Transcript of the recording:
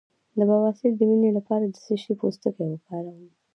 د بواسیر د وینې لپاره د څه شي پوستکی وکاروم؟